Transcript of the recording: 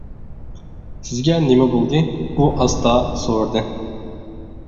-سىزگە نېمە بولدى؟ -ئۇ ئاستا سورىدى.